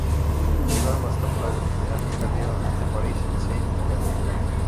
Llegaron hasta octavos de final, perdieron ante París Saint-Germain.